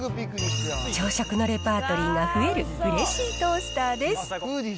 朝食のレパートリーが増えるうれしいトースターです。